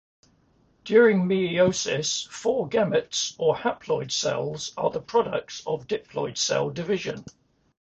During meiosis, four gametes, or haploid cells, are the products of diploid cell division.